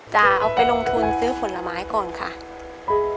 จะเอาไปลงทุนซื้อผลไม้ก่อนค่ะ